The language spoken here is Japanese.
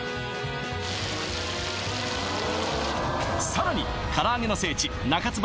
さらにからあげの聖地中津